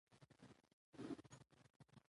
هندوکش د افغانستان په ستراتیژیک اهمیت کې رول لري.